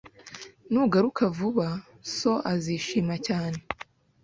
Nugaruka vuba, so azishima cyane.